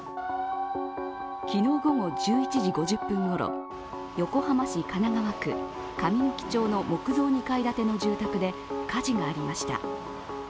昨日午後１１時５０分頃横浜市神奈川区神之木町の木造２階建ての住宅で火事がありました。